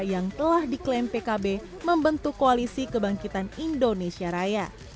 yang telah diklaim pkb membentuk koalisi kebangkitan indonesia raya